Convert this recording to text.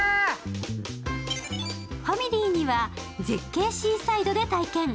ファミリーには絶景シーサイドで体験。